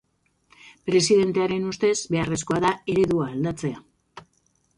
Presidentearen ustez, beharrezkoa da eredua aldatzea.